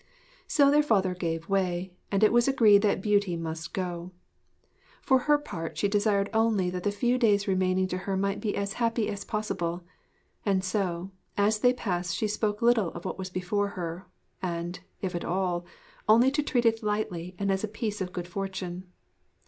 So their father gave way, and it was agreed that Beauty must go. For her part she desired only that the few days remaining to her might be as happy as possible; and so, as they passed she spoke little of what was before her, and, if at all, only to treat it lightly and as a piece of good fortune.